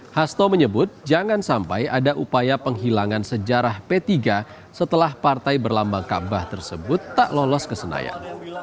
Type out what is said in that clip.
hasto menyebut jangan sampai ada upaya penghilangan sejarah p tiga setelah partai berlambang kaabah tersebut tak lolos ke senayan